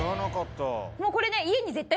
もうこれね。